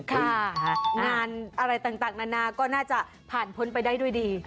ค่ะงานอะไรต่างนานาก็น่าจะผ่านพ้นไปได้ด้วยดี